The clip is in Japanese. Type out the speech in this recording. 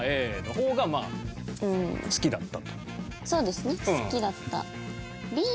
そうですね好きだった。